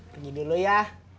pergi dulu ya